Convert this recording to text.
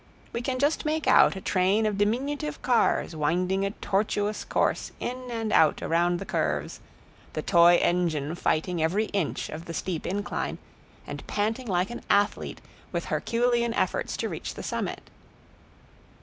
We can just make out a train of diminutive cars winding a tortuous course in and out around the curves, the toy engine fighting every inch of the steep incline, and panting like an athlete with Herculean efforts to reach the summit.